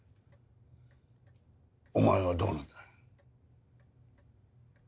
お前はどうなんだよ？